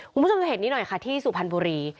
คุณผู้ชมจะเห็นนี้หน่อยค่ะที่สุพรรณบุรี